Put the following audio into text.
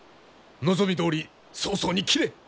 望みどおり早々に斬れ！